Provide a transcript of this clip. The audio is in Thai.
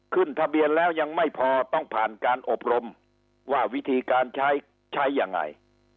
ขึ้นทะเบียนแล้วยังไม่พอต้องผ่านการอบรมว่าวิธีการใช้ใช้ยังไง